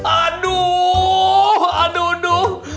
aduh aduh aduh